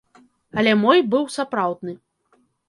Але мой быў сапраўдны.